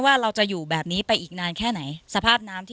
ว่าจะอยู่นานกี่นายใช่ใช่